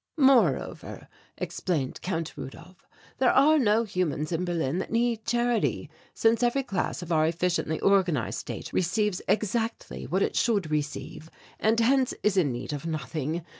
"Moreover," explained Count Rudolph, "there are no humans in Berlin that need charity, since every class of our efficiently organized State receives exactly what it should receive and hence is in need of nothing.